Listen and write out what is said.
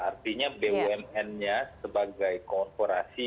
artinya bumn nya sebagai korporasi